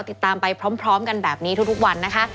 ติดตามไปพร้อมกันแบบนี้ทุกวันนะคะ